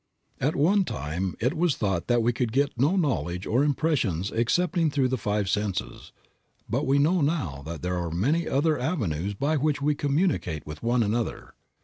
At one time it was thought that we could get no knowledge or impressions excepting through the five senses, but we know now that there are many other avenues by which we communicate with one another.